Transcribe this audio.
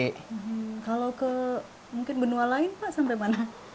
kalau ke mungkin benua lain pak sampai mana